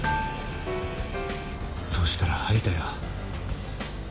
そしたら吐いたよ。